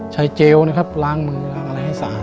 เจลนะครับล้างมือล้างอะไรให้สะอาด